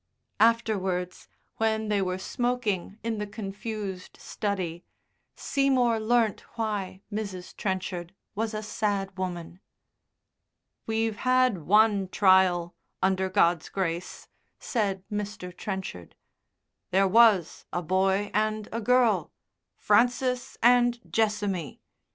Afterwards when they were smoking in the confused study, Seymour learnt why Mrs. Trenchard was a sad woman. "We've had one trial, under God's grace," said Mr. Trenchard. "There was a boy and a girl Francis and Jessamy.